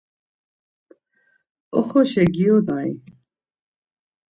Oxorişa giyonai?